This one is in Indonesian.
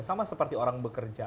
sama seperti orang bekerja